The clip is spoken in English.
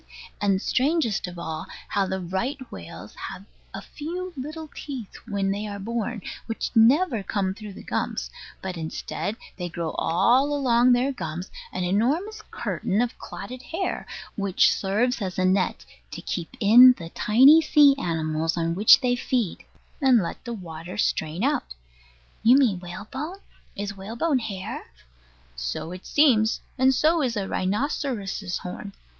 And strangest of all, how the right whales have a few little teeth when they are born, which never come through the gums; but, instead, they grow all along their gums, an enormous curtain of clotted hair, which serves as a net to keep in the tiny sea animals on which they feed, and let the water strain out. You mean whalebone? Is whalebone hair? So it seems. And so is a rhinoceros's horn.